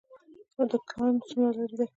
دکان څومره لرې دی؟